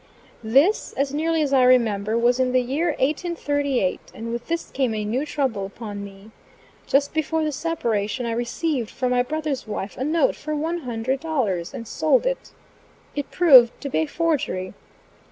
This, as nearly as I remember, was in the year 1838, and with this came a new trouble upon me. Just before the separation, I received from my brother's wife a note for one hundred dollars, and sold it. It proved to be a forgery.